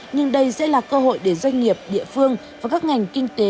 nhưng đây sẽ là cơ hội để doanh nghiệp địa phương và các ngành kinh tế